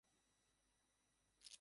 একদম অস্থির লাগছে।